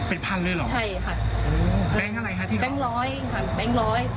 เป็นพันเลยเหรอครับแบงค์อะไรครับที่เขาแบงค์ร้อยแบงค์ร้อย